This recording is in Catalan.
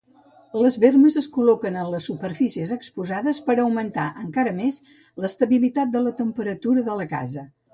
Les bermes es col·loquen en les superfícies exposades per a augmentar encara més l'estabilitat de la temperatura de la casa.